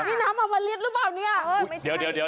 นี่น้ำอมริตหรือเปล่าเนี่ย